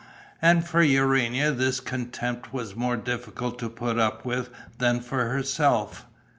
And for Urania this contempt was more difficult to put up with than for herself.